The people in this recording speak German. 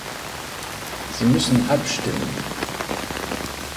Sie müssen abstimmen.